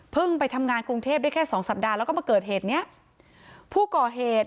เพิ่งไปทำงานกรุงเทพฯด้วยแค่สองสัปดาห์แล้วก็มาเกิดเหตุภูเขาเหตุ